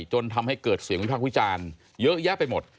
จนทำให้เกิดเสียงวิพากษ์วิจารณ์เยอะแยะไปหมด